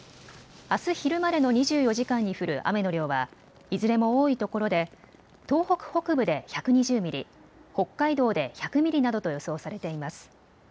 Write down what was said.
あす昼までの２４時間に降る雨の量は、いずれも多い所で、東北北部で１２０ミリ、北海道で１００ミリなどと予想されています。